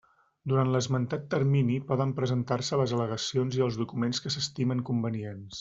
Durant l'esmentat termini poden presentar-se les al·legacions i els documents que s'estimen convenients.